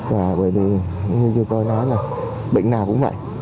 và bởi vì như tôi nói là bệnh nào cũng vậy